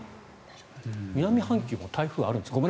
南半球は台風あるんですか。